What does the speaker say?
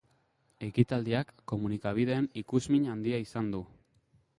Ekitaldiak komunikabideen ikusmin handia izan du.